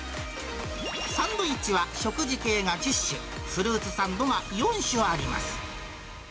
サンドイッチは食事系が１０種、フルーツサンドが４種あります。